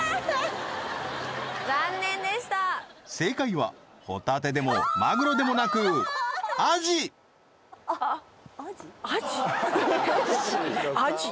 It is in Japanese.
残念でした正解はホタテでもマグロでもなくアジアジ？